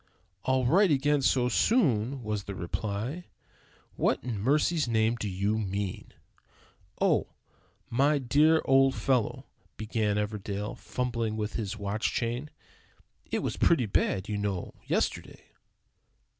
"All right again so soon?" was the reply. "What in mercy's name do you mean?" "Oh, my dear old fellow," began Everdell, fumbling with his watch chain, "it was pretty bad, you know, yesterday."